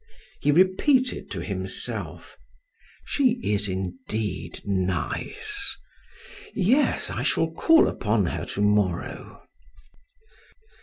He repeated to himself: "She is indeed nice. Yes, I shall call upon her to morrow."